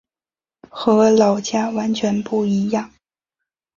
和老家完全不一样